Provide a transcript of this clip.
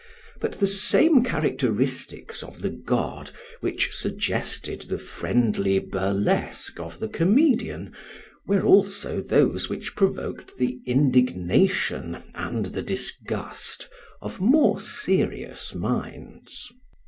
But the same characteristics of the god which suggested the friendly burlesque of the comedian were also those which provoked the indignation and the disgust of more serious minds.